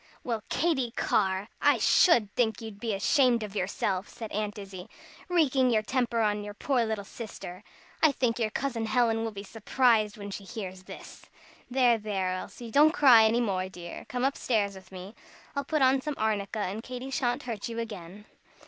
"Well, Katy Carr, I should think you'd be ashamed of yourself," said Aunt Izzie, "wreaking your temper on your poor little sister! I think your Cousin Helen will be surprised when she hears this. There, there, Elsie! Don't cry any more, dear. Come up stairs with me. I'll put on some arnica, and Katy sha'n't hurt you again."